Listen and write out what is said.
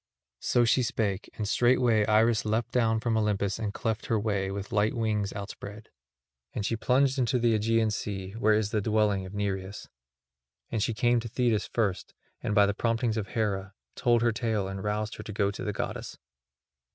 So she spake, and straightway Iris leapt down from Olympus and cleft her way, with light wings outspread. And she plunged into the Aegean Sea, where is the dwelling of Nereus. And she came to Thetis first and, by the promptings of Hera, told her tale and roused her to go to the goddess.